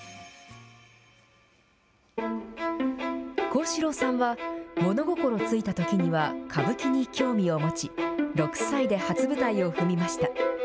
幸四郎さんは物心付いたときには、歌舞伎に興味を持ち、６歳で初舞台を踏みました。